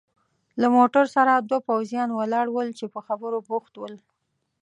له موټر سره دوه پوځیان ولاړ ول چې په خبرو بوخت ول.